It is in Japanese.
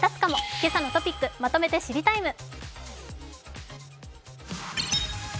「けさのトピックまとめて知りＴＩＭＥ，」。